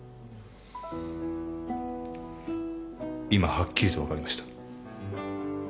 今はっきりと分かりました。